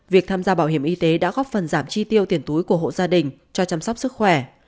việc tham gia bảo hiểm y tế đã góp phần giảm chi tiêu tiền túi của hộ gia đình cho chăm sóc sức khỏe